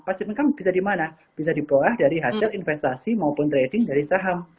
passive income bisa di mana bisa dibawah dari hasil investasi maupun trading dari saham